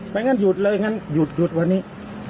ไปงั้นหยุดเลยงั้นหยุดวันนี้